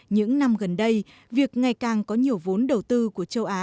những năm gần đây việc ngày càng có nhiều vốn đầu tư của châu á